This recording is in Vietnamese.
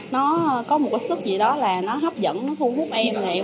nó có một cái sức gì đó là nó hấp dẫn nó thu hút em này